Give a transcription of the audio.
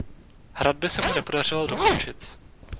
Hradby se mu nepodařilo dokončit.